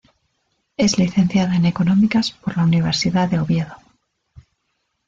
Es licenciada en Económicas por la Universidad de Oviedo.